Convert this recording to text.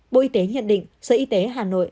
bộ y tế nhận định sở y tế hà nội